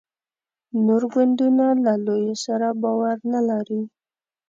نور ګوندونه له لویه سره باور نه لري.